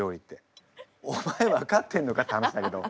お前分かってんのかって話だけど。